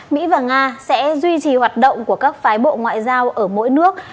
mỹ và nga sẽ duy trì hoạt động của các phái bộ ngoại giao ở mỗi nước